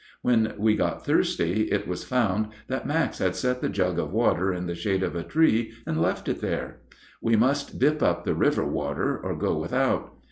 When we got thirsty, it was found that Max had set the jug of water in the shade of a tree and left it there. We must dip up the river water or go without.